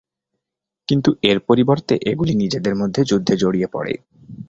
কিন্তু এর পরিবর্তে এগুলি নিজেদের মধ্যে যুদ্ধে জড়িয়ে পড়ে।